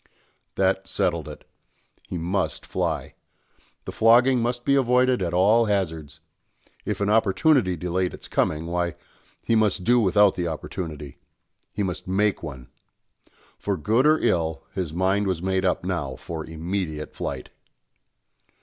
That settled it. He must fly. The flogging must be avoided at all hazards. If an opportunity delayed its coming, why, he must do without the opportunity he must make one. For good or ill, his mind was made up now for immediate flight.